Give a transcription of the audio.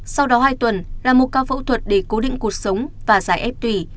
sau đó hai tuần là một ca phẫu thuật để cố định cuộc sống và giải ép tùy